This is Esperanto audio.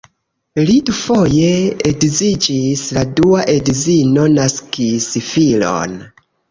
Li dufoje edziĝis, la dua edzino naskis filon.